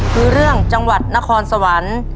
คือเรื่องจังหวัดนครสวรรค์